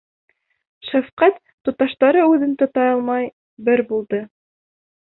Шәфҡәт туташтары үҙен тота алмай бер булды.